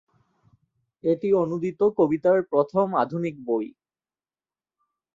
এটি অনূদিত কবিতার প্রথম আধুনিক বই।